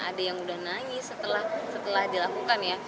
ada yang udah nangis setelah dilakukan ya